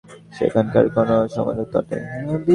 সেখানকার কোনো সমুদ্র তটে।